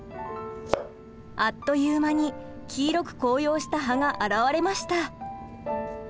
あっという間に黄色く紅葉した葉が現れました！